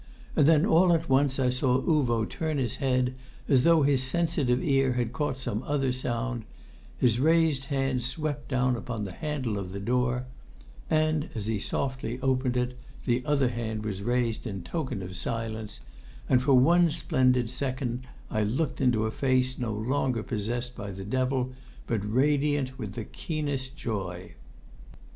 And then all at once I saw Uvo turn his head as though his sensitive ear had caught some other sound; his raised hand swept down upon the handle of the door; and as he softly opened it, the other hand was raised in token of silence, and for one splendid second I looked into a face no longer possessed by the devil, but radiant with the keenest joy.